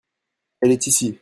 elle est ici.